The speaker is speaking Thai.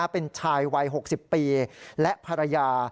เป็นชายวัย๖๐ปีและภรรยา